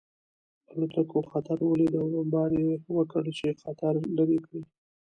الوتکو خطر ولید او بمبار یې وکړ چې خطر لرې کړي